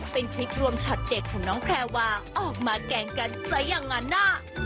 เป็นคลิปรวมช็อตเด็ดของน้องแพรวาออกมาแกล้งกันซะอย่างนั้นน่ะ